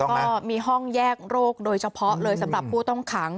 ก็มีห้องแยกโรคโดยเฉพาะเลยสำหรับผู้ต้องขัง